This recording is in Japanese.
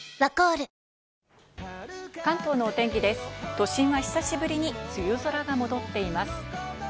都心は久しぶりに梅雨空が戻っています。